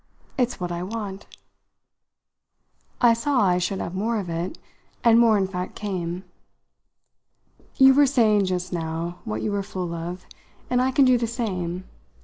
It's what I want." I saw I should have more of it, and more in fact came. "You were saying just now what you were full of, and I can do the same.